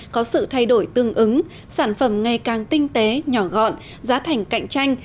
có sự thay đổi tương ứng sản phẩm ngày càng tinh tế nhỏ gọn giá thành cạnh tranh